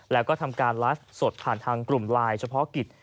แล้วก็ทำการไลฟ์สดผ่านทางกลุ่มไลน์เฉพาะกิจ